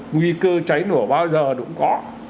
nguy cơ cháy nổ bao giờ cũng có